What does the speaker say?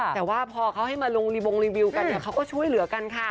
แต่ว่าพอเขาให้มาลงรีวงรีวิวกันเนี่ยเขาก็ช่วยเหลือกันค่ะ